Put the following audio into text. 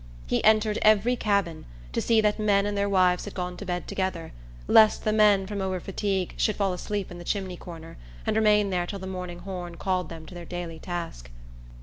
He entered every cabin, to see that men and their wives had gone to bed together, lest the men, from over fatigue, should fall asleep in the chimney corner, and remain there till the morning horn called them to their daily task.